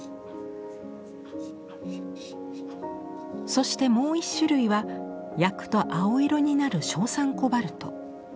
そしてもう１種類は焼くと青色になる硝酸コバルト。